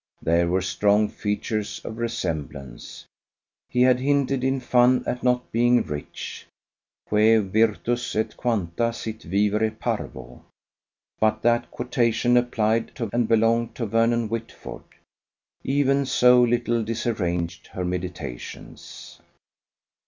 There were strong features of resemblance. He had hinted in fun at not being rich. "Quae virtus et quanta sit vivere parvo." But that quotation applied to and belonged to Vernon Whitford. Even so little disarranged her meditations.